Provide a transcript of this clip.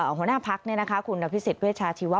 หัวหน้าภักดิ์เนี่ยนะคะคุณลักษณะวิสิตเวชาธิวะ